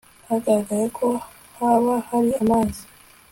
hagaragaye ko haba hari amazi